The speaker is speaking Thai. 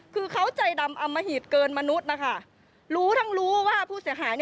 คือเขาใจดำอำมหิตเกินมนุษย์นะคะ